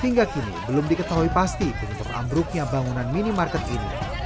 hingga kini belum diketahui pasti penyebab ambruknya bangunan minimarket ini